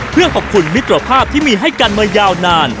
เพื่อขอบคุณมิตรภาพที่มีให้กันมายาวนาน